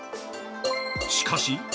しかし！